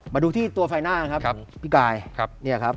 มาดูที่ตัวไฟหน้าครับพี่กาย